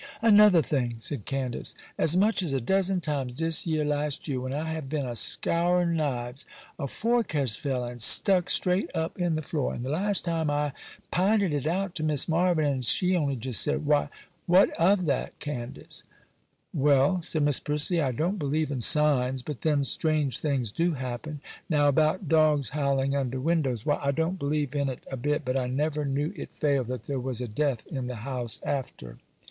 'Another thing,' said Candace, 'as much as a dozen times, dis yer last year, when I have been a scourin' knives, a fork has fell and stuck straight up in the floor: and the last time I pinted it out to Miss Marvyn, and she only just said, "Why, what of that, Candace?"' 'Well,' said Miss Prissy, 'I don't believe in signs, but then strange things do happen. Now about dogs howling under windows; why, I don't believe in it a bit, but I never knew it fail that there was a death in the house after.